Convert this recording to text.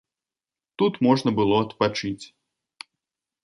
Тут можна было адпачыць.